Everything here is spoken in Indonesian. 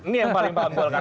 ini yang paling paham golkar